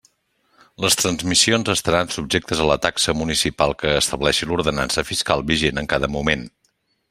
Les transmissions estaran subjectes a la taxa municipal que estableixi l'ordenança fiscal vigent en cada moment.